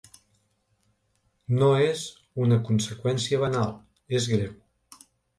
No és una conseqüència banal, és greu.